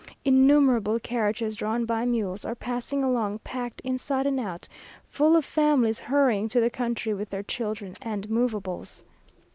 Innumerable carriages, drawn by mules, are passing along, packed inside and out, full of families hurrying to the country with their children and moveables.